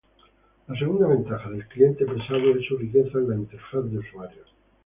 La segunda ventaja del cliente pesado es su riqueza en la interfaz de usuario.